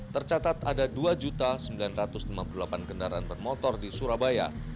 tercatat ada dua sembilan ratus lima puluh delapan kendaraan bermotor di surabaya